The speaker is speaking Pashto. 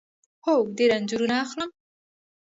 هو، ډیر انځورونه اخلم